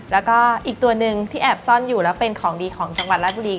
แล้วก็อีกตัวหนึ่งที่แอบซ่อนอยู่แล้วเป็นของดีของจังหวัดราชบุรี